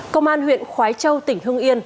công an huyện khói châu tỉnh hưng yên